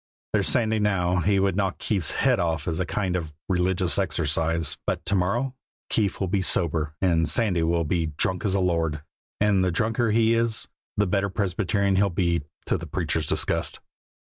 There's Sandy, now, he would knock Keefe's head off as a kind of religious exercise; but to morrow Keefe will be sober and Sandy will be drunk as a lord, and the drunker he is the better Presbyterian he'll be, to the preacher's disgust."